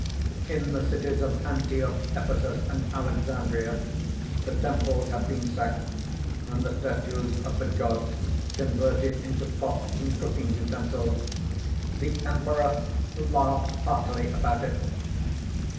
In the cities of Antioch, Ephesus, and Alexandria, the temples have been sacked, and the statues of the gods converted into pots and cooking utensils; the Emperor laughs heartily about it.